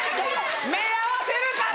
目合わせるから！